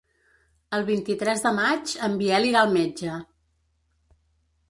El vint-i-tres de maig en Biel irà al metge.